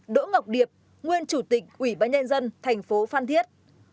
ba đỗ ngọc điệp nguyên chủ tịch ủy bãi nen dân thành phố phan thiết